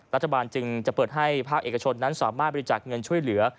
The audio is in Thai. รัฐบาลจึงจะเปิดให้ภาคเอกชนนั้นสามารถบริจาคเงินช่วยเหลือ